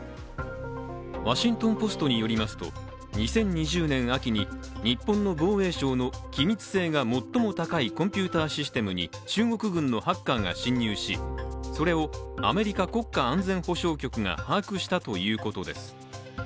「ワシントン・ポスト」によりますと２０２０年秋に日本の防衛省の機密性が最も高いコンピューターシステムに、中国軍のハッカーが侵入しそれをアメリカ国家安全保障局が把握したということです